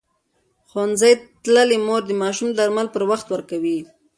ښوونځې تللې مور د ماشوم درمل پر وخت ورکوي.